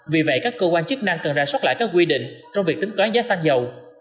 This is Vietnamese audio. vì vậy các cơ quan chức năng cần ra soát lại các quy định trong việc tính toán giá xăng dầu